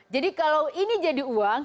jadi kalau ini jadi uang